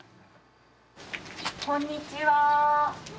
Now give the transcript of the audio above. こんにちは。